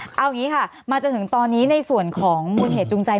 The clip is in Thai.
เอาอย่างนี้ค่ะมาจนถึงตอนนี้ในส่วนของมูลเหตุจูงใจ